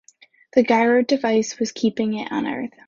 The Gyro device was keeping it on Earth.